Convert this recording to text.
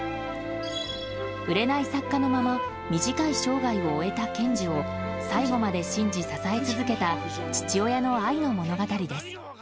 売れない作家のまま短い生涯を終えた賢治を最後まで信じ、支え続けた父親の愛の物語です。